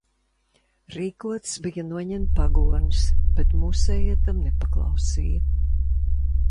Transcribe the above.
Rīkots bija noņemt pagones, bet mūsējie tam nepaklausīja.